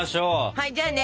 はいじゃあね